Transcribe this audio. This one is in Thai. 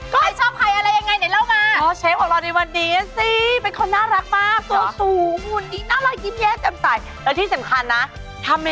ใครชอบใครอะไรยังไงเดี๋ยวเล่ามา